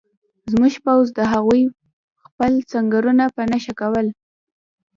زموږ پوځ د هغوی خپل سنګرونه په نښه کول